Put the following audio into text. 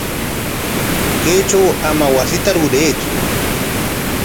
Kaytraw ama wasita ruraytsu.